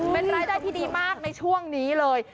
มันได้ที่ดีมากในช่วงนี้เลย